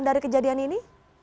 dari kejadian ini